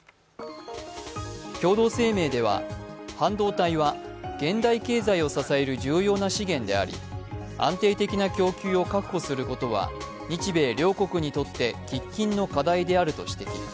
共同声明では半導体は現代経済を支える重要な資源であり安定的な供給を確保することは日米両国にとって喫緊の課題であると指摘。